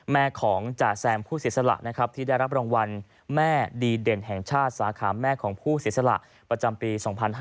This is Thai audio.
แม่ของจ่าแซมผู้เสียสละนะครับที่ได้รับรางวัลแม่ดีเด่นแห่งชาติสาขาแม่ของผู้เสียสละประจำปี๒๕๕๙